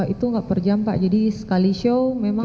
itu nggak per jam pak jadi sekali show memang